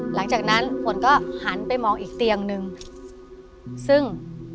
หลังจากนั้นฝนก็หันไปมองอีกเตียงนึงซึ่ง